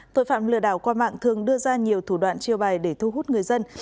tội phạm lừa đảo qua mạng thường đưa ra nhiều thủ đoạn chiêu bài để thu hút người dân